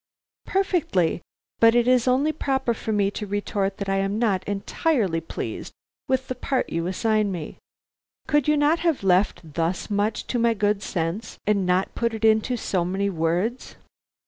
"Perfectly; but it is only proper for me to retort that I am not entirely pleased with the part you assign me. Could you not have left thus much to my good sense, and not put it into so many words?"